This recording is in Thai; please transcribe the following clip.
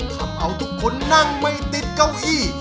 ทำเอาทุกคนนั่งไม่ติดเก้าอี้